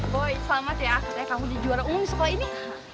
boy selamat ya ketika kamu di juara umum di sekolah ini